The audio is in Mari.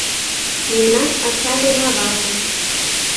Мемнан ача ден аваже